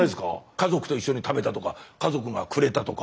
家族と一緒に食べたとか家族がくれたとか。